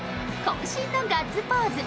渾身のガッツポーズ。